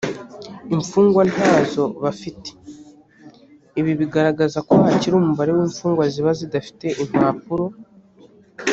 imfungwa ntazo bafite ibi bigaragaza ko hakiri umubare w infungwa ziba zidafite impapuro